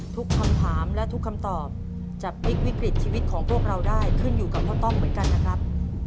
ทุกคำถามและทุกคำตอบจะพลิกวิกฤตชีวิตของพวกเราได้ขึ้นอยู่กับพ่อต้อมเหมือนกันนะครับ